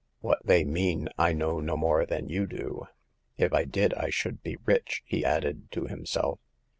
" What they mean I know no more than you do. If I did I should be rich," he added, to himself.